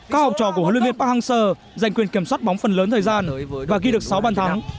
các học trò của huấn luyện viên park hang seo giành quyền kiểm soát bóng phần lớn thời gian và ghi được sáu bàn thắng